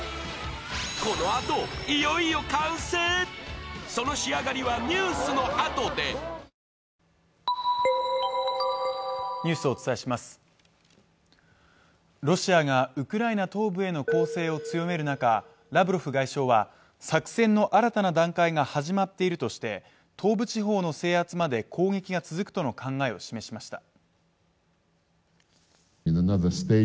このあといよいよ完成その仕上がりはニュースのあとでロシアがウクライナ東部への攻勢を強める中、ラブロフ外相は、作戦の新たな段階が始まっているとして東部地方の制圧まで攻撃が続くとの考えを示しました。